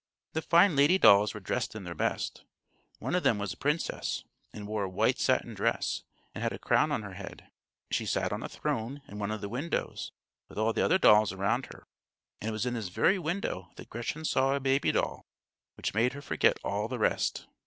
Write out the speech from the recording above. The fine lady dolls were dressed in their best. One of them was a princess, and wore a white satin dress, and had a crown on her head. She sat on a throne in one of the windows, with all the other dolls around her; and it was in this very window that Gretchen saw a baby doll, which made her forget all the rest.